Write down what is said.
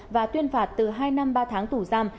và tuyên phạt từ hai năm ba tháng tù giam